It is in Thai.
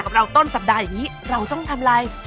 กับเราต้นสัปดาห์อย่างนี้เราต้องทำอะไร